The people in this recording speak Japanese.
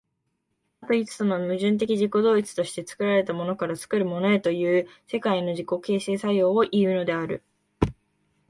多と一との矛盾的自己同一として、作られたものから作るものへという世界の自己形成作用をいうのである。